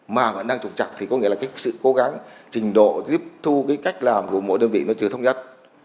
mà vẫn đang trục chặt thì có nghĩa là cái sự cố gắng trình độ giúp thu cái cách làm của mỗi đơn vị nó chưa thống nhất